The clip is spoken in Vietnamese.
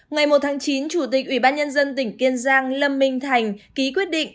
ngày một tháng chín chủ tịch ủy ban nhân dân tỉnh kiên giang lâm minh thành ký quyết định